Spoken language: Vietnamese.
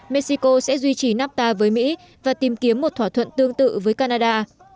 mexico sẽ duy trì nafta với mỹ và tìm kiếm một thỏa thuận tương tự với canada